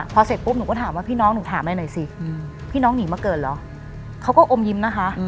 พอเสร็จปุ๊บหนูก็ถามว่าพี่น้องหนูถามอะไรหน่อยสิพี่น้องหนีมาเกิดเหรอเขาก็อมยิ้มนะคะ